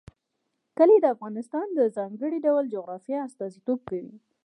کلي د افغانستان د ځانګړي ډول جغرافیه استازیتوب کوي.